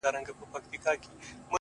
هغه وه تورو غرونو ته رويا وايي!!